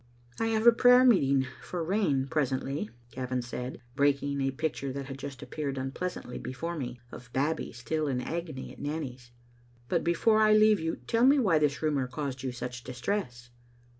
" I have a prayer meeting for rain presently," Gavin said, breaking a picture that had just appeared unpleas antly before me of Babbie still in agony at Nanny's, " but before I leave you tell me why this rumor caused you such distress."